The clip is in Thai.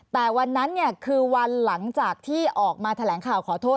แต่วันนั้นคือวันหลังจากที่ออกมาแถลงข่าวขอโทษ